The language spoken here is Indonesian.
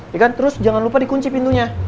ya kan terus jangan lupa dikunci pintunya